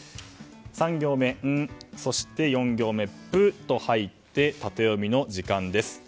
３行目「ン」そして４行目「プ」と入ってタテヨミの時間です。